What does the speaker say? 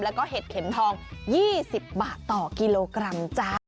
แล้วก็เห็ดเข็มทอง๒๐บาทต่อกิโลกรัมจ้า